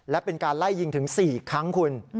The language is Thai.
และเป็นการไล่ยิงถึง๔ครั้งคุณ